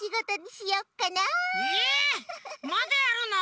えまだやるの！？